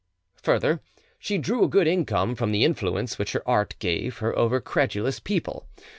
Further, she drew a good income from the influence which her art gave her over credulous people.